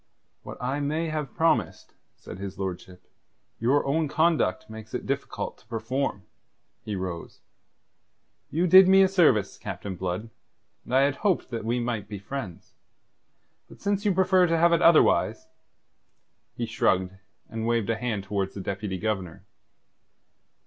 "What I may have promised," said his lordship, "your own conduct makes it difficult to perform." He rose. "You did me a service, Captain Blood, and I had hoped that we might be friends. But since you prefer to have it otherwise...." He shrugged, and waved a hand towards the Deputy Governor.